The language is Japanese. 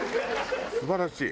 素晴らしい。